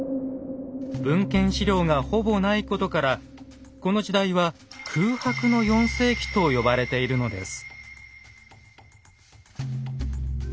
文献史料がほぼないことからこの時代は「空白の４世紀」と呼ばれているのです。